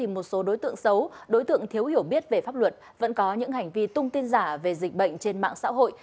một số đối tượng xấu đối tượng thiếu hiểu biết về pháp luật vẫn có những hành vi tung tin giả về dịch bệnh trên mạng xã hội